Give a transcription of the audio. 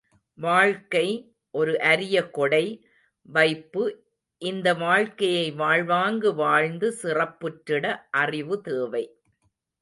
வாழ்க்கை ஒரு அரியகொடை வைப்பு இந்த வாழ்க்கையை வாழ்வாங்கு வாழ்ந்து சிறப்புற்றிட அறிவு தேவை.